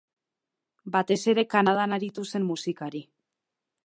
Batez ere Kanadan aritu zen musikari.